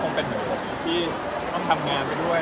เป็นเหมือนผมที่ต้องทำงานไปด้วย